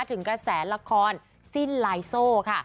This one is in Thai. ถึงกระแสละครสิ้นลายโซ่ค่ะ